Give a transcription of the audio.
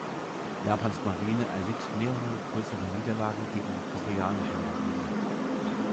Japans Marine erlitt mehrere größere Niederlagen gegen die koreanische Marine.